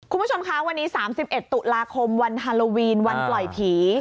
คุณผู้ชมคะวันนี้๓๑ตุลาคมวันฮาโลวีนวันปล่อยผี